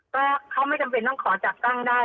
ก็เขาไม่จำเป็นต้องขอจัดตั้งได้